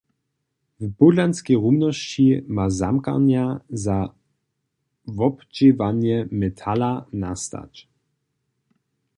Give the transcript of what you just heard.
W pódlanskej rumnosći ma zamkarnja za wobdźěłanje metala nastać.